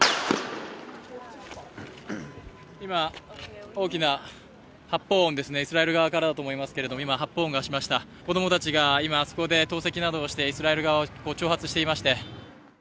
今、大きな発砲音ですね、イスラエル側からだと思いますけど発砲音がしました、子供たちがそこで投石などをしてイスラエル側を挑発していまして。